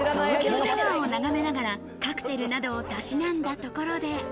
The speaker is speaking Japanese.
東京タワーを眺めながらカクテルなどを嗜んだところで。